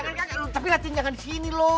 jangan kagak lo tapi latih latih jangan di sini lo